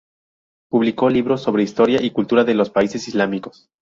Publicó libros sobre la historia y cultura de los países islámicos.